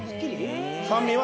酸味は？